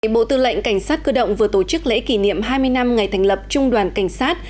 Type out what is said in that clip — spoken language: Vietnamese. bộ tư lệnh cảnh sát cơ động vừa tổ chức lễ kỷ niệm hai mươi năm ngày thành lập trung đoàn cảnh sát